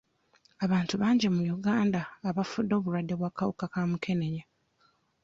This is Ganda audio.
Abantu bangi mu Uganda abafudde obulwadde bw'akawuka ka mukenenya.